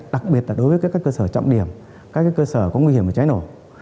đặc biệt là đối với các cơ sở trọng điểm các cơ sở có nguy hiểm và cháy nổ